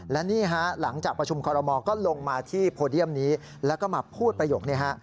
และนี่ฮะหลังจากประชุมคอรมอลก็ลงมาที่โพเดียมนี้แล้วก็มาพูดประโยคนี้